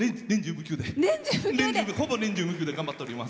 ほぼ年中無休で頑張っております。